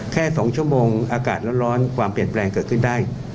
แค่๒ชั่วโมงอากาศร้อนความเปลี่ยนแปลงเกิดขึ้นได้